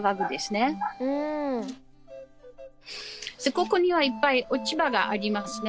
ここにはいっぱい落ち葉がありますね。